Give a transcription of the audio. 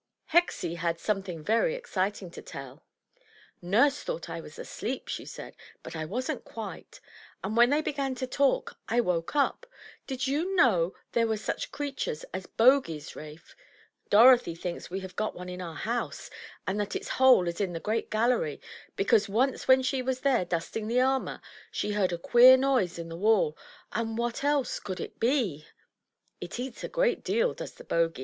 Hexie had some thing very exciting to tell. "Nurse thought I was asleep,'' she said, "but I wasn't quite; and when they began to talk I woke up. Did you know that there were such creatures as Bogies, Rafe? Dorothy thinks we have got one in our house, and that its hole is in the great gallery, because once when she was there dusting the armor, she heard a queer noise in the wall, and what else could it be? It eats a great deal, does the Bogie.